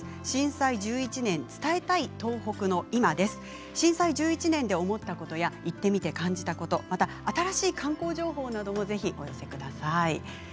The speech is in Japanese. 震災１１年、伝えたい東北の今震災１１年で思ったことや行ってみて感じたこと新しい観光情報などもお寄せください。